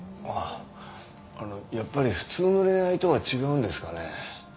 あのやっぱり普通の恋愛とは違うんですかね？